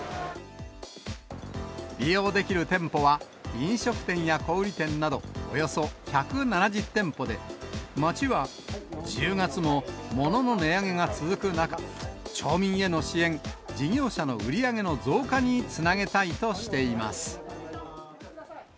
利用できる店舗は、飲食店や小売店など、およそ１７０店舗で、町は１０月もものの値上げが続く中、町民への支援、事業者の売り上げの増加につなげたいとしています。